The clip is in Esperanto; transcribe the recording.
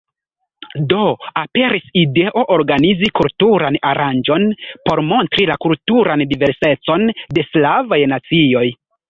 Do aperis ideo organizi kulturan aranĝon por montri la kulturan diversecon de slavaj nacioj.